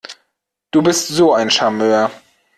Du bist so ein Charmeur!